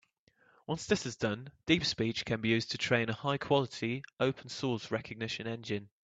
Once this is done, DeepSpeech can be used to train a high-quality open source recognition engine.